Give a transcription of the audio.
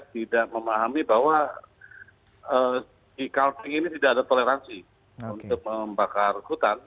tidak memahami bahwa di kalti ini tidak ada toleransi untuk membakar hutan